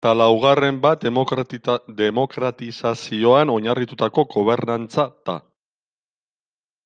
Eta laugarren bat demokratizazioan oinarritutako gobernantza da.